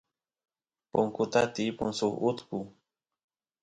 punkuta tiypun suk utku